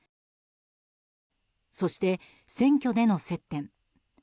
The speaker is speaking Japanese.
そして選挙での接点。